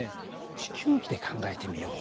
地球儀で考えてみよう。